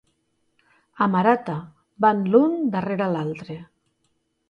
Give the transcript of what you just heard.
A Marata van l'un darrere l'altre